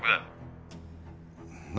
何？